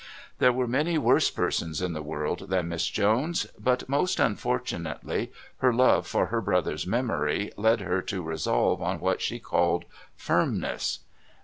There were many worse persons in the world than Miss Jones. But, most unfortunately, her love for her brother's memory led her to resolve on what she called "firmness."